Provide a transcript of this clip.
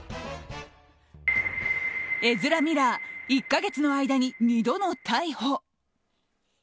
エズラ・ミラー１か月の間に２度の逮捕。